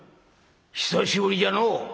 久しぶりじゃのう。